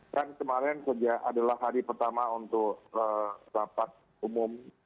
kan kemarin adalah hari pertama untuk rapat umum